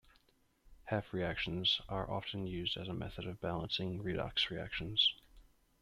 Half-reactions are often used as a method of balancing redox reactions.